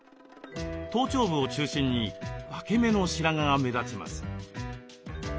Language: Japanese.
頭頂部を中心に分け目の白髪が目立ちます。